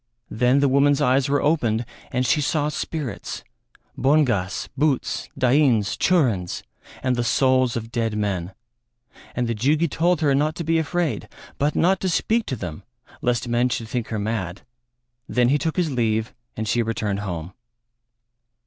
Then the woman's eyes were opened and she saw spirits bongas, bhuts, dains, churins, and the souls of dead men; and the Jugi told her not to be afraid, but not to speak to them lest men should think her mad; then he took his leave, and she returned home.